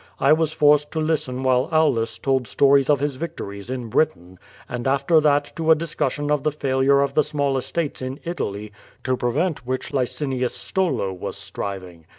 I was forced to listen while Aulus told stories of his victories in Britain, and after tiiat to a discussion of the failure of the small estates in QUO FAD/.S?. 17 Ital)', to prevent which Licinius Stolo was still striving.